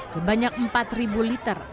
sebanyak empat liter